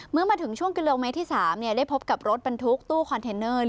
เมื่อมาถึงช่วงกิโลเมตรที่๓ได้พบกับรถบรรทุกตู้คอนเทนเนอร์